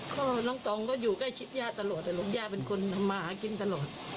ค่ะน้องต้องก็อยู่ใกล้ชิบย่าตลอดเลยลูกย่าเป็นคนมากินตลอด